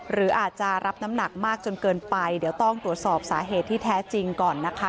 หรืออาจจะรับน้ำหนักมากจนเกินไปเดี๋ยวต้องตรวจสอบสาเหตุที่แท้จริงก่อนนะคะ